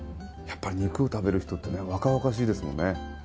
やっぱり肉を食べる人ってね若々しいですよね。